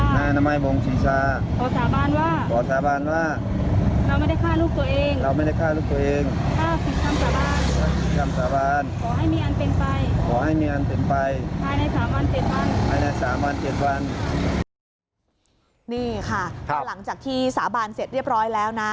นี่ค่ะก็หลังจากที่สาบานเสร็จเรียบร้อยแล้วนะ